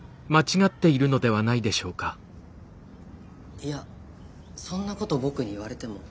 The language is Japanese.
いやそんなことボクに言われても。